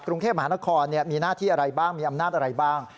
กรุงเทพมหานครมีหน้าที่อะไรบ้างมีอำนาจอะไรบ้าง